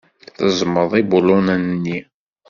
Tezmeḍ ibulunen-nni.